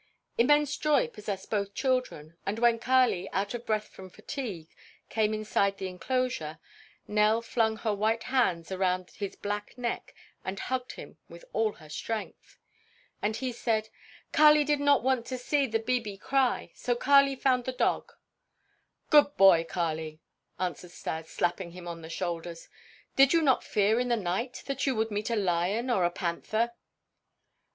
Immense joy possessed both children, and when Kali, out of breath from fatigue, came inside the enclosure, Nell flung her white hands around his black neck and hugged him with all her strength. And he said: "Kali did not want to see the 'bibi' cry, so Kali found the dog." "Good boy, Kali!" answered Stas, slapping him on the shoulders. "Did you not fear in the night that you would meet a lion or a panther?"